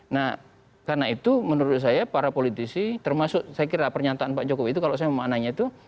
nah karena itu menurut saya para politisi termasuk saya kira pernyataan pak jokowi itu kalau saya memaknainya itu